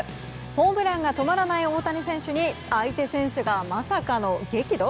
ホームランが止まらない大谷選手に相手選手がまさかの激怒？